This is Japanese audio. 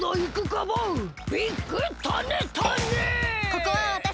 ここはわたしが！